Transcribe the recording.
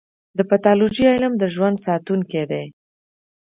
د پیتالوژي علم د ژوند ساتونکی دی.